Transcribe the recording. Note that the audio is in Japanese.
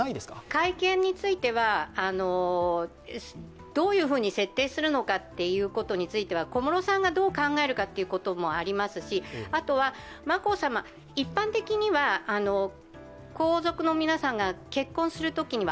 会見については、どういうふうに設定するのかということについては小室さんがどう考えるかってこともありますしあとは眞子さま、一般的には皇族の皆さんが結婚するときには